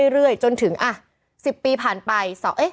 เรื่อยจนถึง๑๐ปีผ่านไป